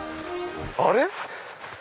あれ？